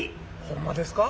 ホンマですか！？